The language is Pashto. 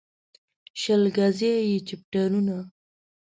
شل ګزي يې چپټرونه